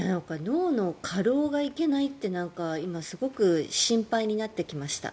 脳の過労がいけないって今すごく心配になってきました。